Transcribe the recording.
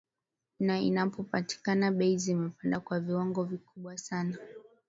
Na inapopatikana bei zimepanda kwa viwango vikubwa sana